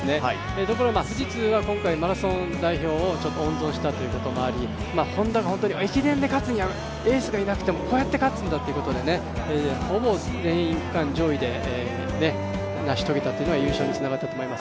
ところが富士通はマラソン代表を温存したということがありＨｏｎｄａが本当に駅伝で勝つには、エースがいなくてもこうやって勝つんだということで、全員区間上位で成し遂げたというのが優勝につながったと思います。